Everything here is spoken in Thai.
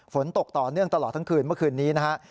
ฝนตกต่อเนื่องตลอดทั้งคืนเมื่อคืนนี้นะฮะ